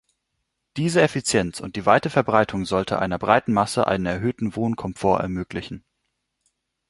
Diese Effizienz und die weite Verbreitung sollten einer breiten Masse einen erhöhten Wohnkomfort ermöglichen.